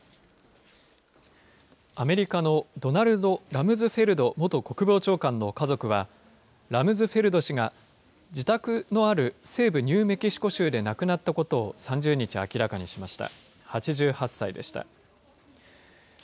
アメリカのドナルド・ラムズフェルド元国防長官の家族は、ラムズフェルド氏が、自宅のある西部ニューメキシコ州で亡くなったことを３０日、明らかにしました。